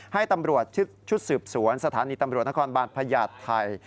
ให้ตำรวจชุดสืบสวนสถานีตำรวจนครบาลพญาติไทย